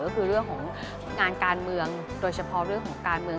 ก็คือเรื่องของงานการเมืองโดยเฉพาะเรื่องของการเมือง